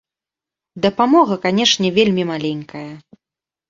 Дапамога, канешне, вельмі маленькая.